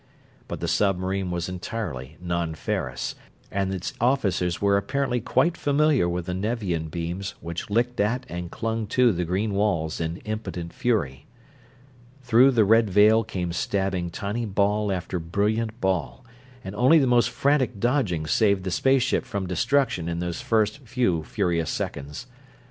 But the submarine was entirely non ferrous, and its officers were apparently quite familiar with the Nevian beams which licked at and clung to the green walls in impotent fury. Through the red veil came stabbing tiny ball after brilliant ball, and only the most frantic dodging saved the space ship from destruction in those first few furious seconds.